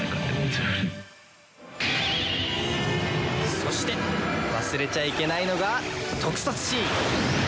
そして忘れちゃいけないのが特撮シーン！